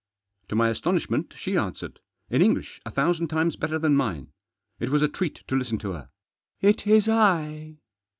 To my astonishment she answered — in English a thousand times better than mine. It was a treat to listen to her. « It is I."